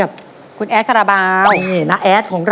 แล้ววันนี้ผมมีสิ่งหนึ่งนะครับเป็นตัวแทนกำลังใจจากผมเล็กน้อยครับ